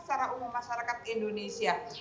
secara umum masyarakat indonesia